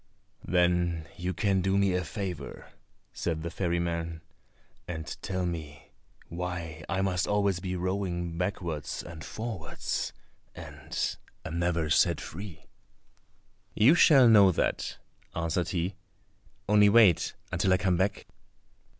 "Then you can do me a favour," said the ferryman, "and tell me why I must always be rowing backwards and forwards, and am never set free?" "You shall know that," answered he; "only wait until I come back."